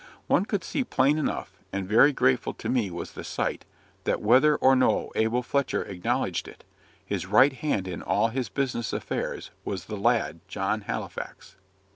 One could see plain enough and very grateful to me was the sight that whether or no Abel Fletcher acknowledged it, his right hand in all his business affairs was the lad John Halifax.